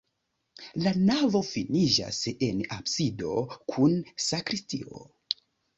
La navo finiĝas en absido kun sakristio.